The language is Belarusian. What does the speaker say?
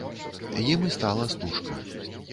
Ім і стала стужка.